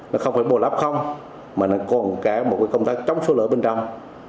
nó không phải bổ lắp không mà nó còn cái một công tác chống sạt lở bên trong